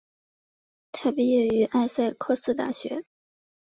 他毕业于艾塞克斯大学。